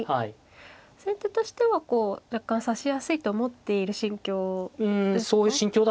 先手としてはこう若干指しやすいと思っている心境ですか。